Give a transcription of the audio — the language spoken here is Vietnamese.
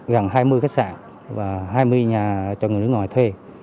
gần hai mươi khách sạn và hai mươi nhà cho người nước ngoài thuê